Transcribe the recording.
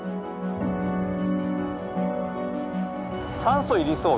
酸素要りそう？